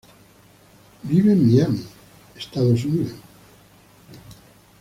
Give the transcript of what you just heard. Vive en Miami, Estados Unidos.